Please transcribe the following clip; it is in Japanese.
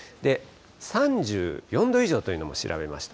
３４度以上というのも調べました。